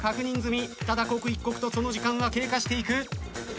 ただ刻一刻とその時間は経過していく。